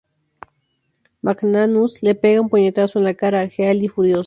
McManus le pega un puñetazo en la cara a Healy, furioso.